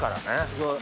すごい。